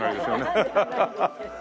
ハハハッ。